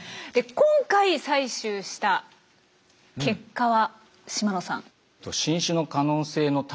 今回採集した結果は島野さん？